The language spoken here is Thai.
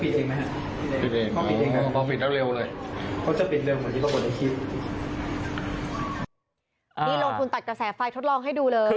นี่ลงทุนตัดกระแสไฟทดลองให้ดูเลย